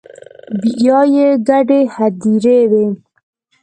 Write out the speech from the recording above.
یا يې ګډې هديرې وي